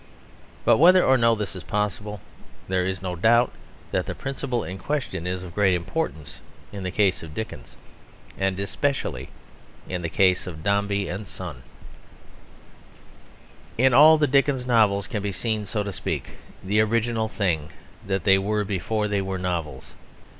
But whether or no this is possible, there is no doubt that the principle in question is of great importance in the case of Dickens, and especially in the case of Dombey and Son. In all the Dickens novels can be seen, so to speak, the original thing that they were before they were novels.